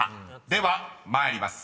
［では参ります。